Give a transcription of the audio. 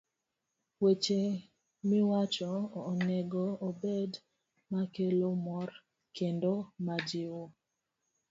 Weche miwacho onego obed makelo mor kendo majiwo